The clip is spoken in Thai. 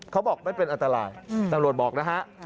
เขาบอกไม่เป็นอันตรายตำรวจบอกนะฮะ